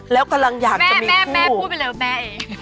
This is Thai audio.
แล้วกำลังอยากแม่แม่พูดไปเลยว่าแม่เอง